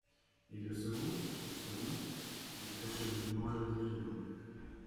Et le second ? Le second … Il faut que vous m'enleviez demain.